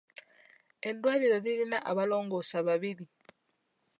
Eddwaliro lirina abalongoosa babiri.